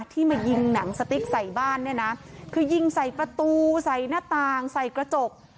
ที่มายิงหนังสติ๊กใส่บ้านเนี่ยนะคือยิงใส่ประตูใส่หน้าต่างใส่กระจก